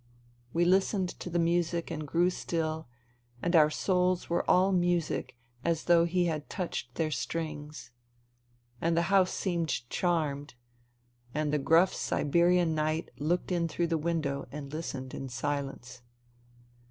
We listened to the music and grew still, and our souls were all music as though he had touched their strings. And the house seemed charmed, and the gruff Siberian night looked in through the window and listened in silence.